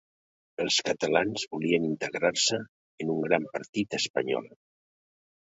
Els catalans volien integrar-se en un gran partir espanyol.